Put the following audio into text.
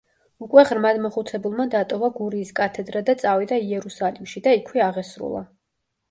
უკვე ღრმად მოხუცებულმა დატოვა გურიის კათედრა და წავიდა იერუსალიმში და იქვე აღესრულა.